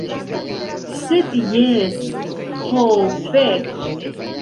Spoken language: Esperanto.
Sed jes, ho fek'